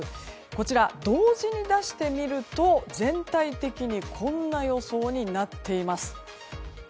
こちら、同時に出してみると全体的にこんな予想になっています。